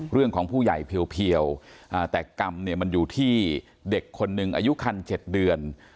ผู้ใหญ่เพียวแต่กรรมเนี่ยมันอยู่ที่เด็กคนหนึ่งอายุคัน๗เดือน